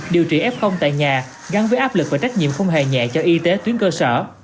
điều trị f tại nhà gắn với áp lực và trách nhiệm không hề nhẹ cho y tế tuyến cơ sở